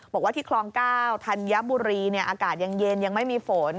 บอกว่าที่คลอง๙ธัญบุรีอากาศยังเย็นยังไม่มีฝน